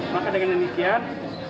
maka dengan demikian